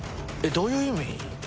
どういう意味？